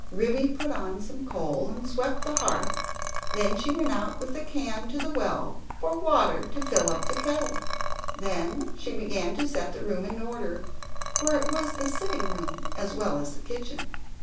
Ribby put on some coal and swept up the hearth. Then she went out with a can to the well, for water to fill up the kettle. Then she began to set the room in order, for it was the sitting room as well as the kitchen.